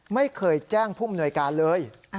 ไม่เคยแจ้งผู้มนวยการเลย